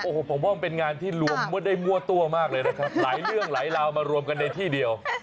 โอ้โหผมว่ามันเป็นงานที่รวมได้มั่วตัวมากเลยนะครับหลายเรื่องหลายราวมารวมกันในที่เดียว